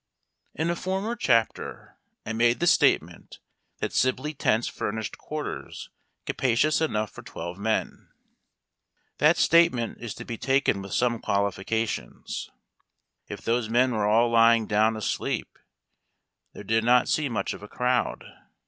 N a former chapter I made the statement tliat Sibley tents furnished quarters capa cious enough for twelve men. That state ment is to be taken with some qualifica tions. If those men were all lying down asleep, there did not seem much of a crowd.